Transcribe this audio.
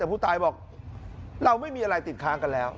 แต่ผู้ตายบอกเราไม่มีอะไรติดค้างกันแล้ว